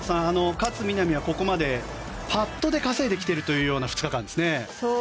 勝みなみはこれまでパットで稼いできているというような２日間ですね。